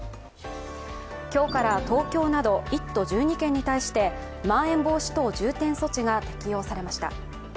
今日から東京など１都１２県に対してまん延防止等重点措置が適用されました。